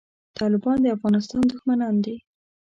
طالبان د افغانستان دښمنان دي